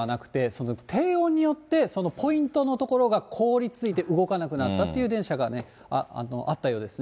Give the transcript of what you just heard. そうですね、今回、雪だけではなくて、低温になって、そのポイントの所が凍りついて動かなくなったという電車があったようですね。